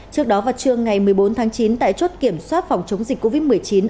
trước đó vào trưa ngày một mươi bốn tháng chín tại chốt kiểm soát phòng chống dịch covid một mươi chín